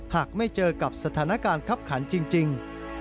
หากไม่เจอกับสถานการณ์คับขันจริง